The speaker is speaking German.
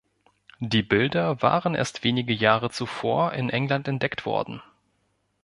Die Bilder waren erst wenige Jahre zuvor in England entdeckt worden.